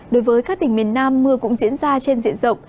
đối với các tỉnh miền nam mưa cũng diễn ra trên diện rộng